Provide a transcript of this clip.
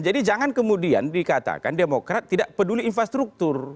jadi jangan kemudian dikatakan demokrat tidak peduli infrastruktur